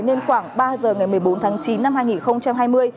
nên khoảng ba giờ ngày một mươi bốn tháng chín năm hai nghìn hai mươi